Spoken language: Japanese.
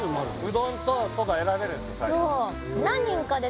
うどんとそば選べるんですよ